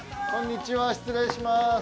こんにちは失礼します。